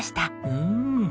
うん！